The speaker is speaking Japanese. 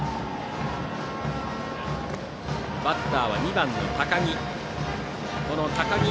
バッターは２番の高木。